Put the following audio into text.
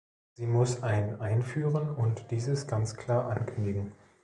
Sie muss ein einführen und dieses ganz klar ankündigen.